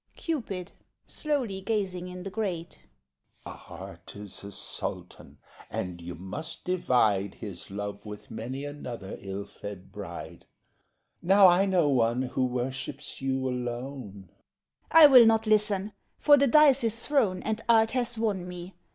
CUPID (slowly, gazing in the grate) Art is a sultan, and you must divide His love with many another ill fed bride. Now I know one who worships you alone. MAID (impatiently) I will not listen! for the dice is thrown And art has won me.